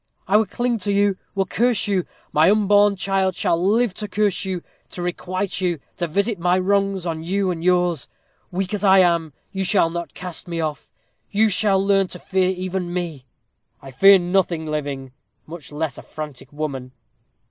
I will cling to you will curse you. My unborn child shall live to curse you to requite you to visit my wrongs on you and yours. Weak as I am, you shall not cast me off. You shall learn to fear even me." "I fear nothing living, much less a frantic woman."